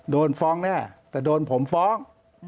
โดนฟ้องแน่แต่โดนผมฟ้อง